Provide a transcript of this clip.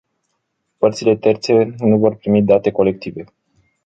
Părțile terțe nu vor primi date colective.